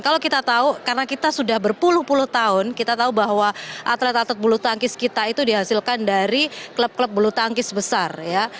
kalau kita tahu karena kita sudah berpuluh puluh tahun kita tahu bahwa atlet atlet bulu tangkis kita itu dihasilkan dari klub klub bulu tangkis besar ya